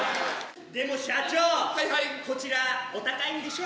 でも社長、こちら、お高いんでしょ？